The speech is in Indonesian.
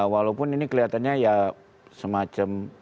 walaupun ini kelihatannya ya semacam